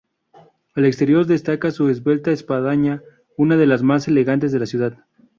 Al exterior destaca su esbelta espadaña, una de las más elegantes de la ciudad.